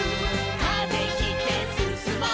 「風切ってすすもう」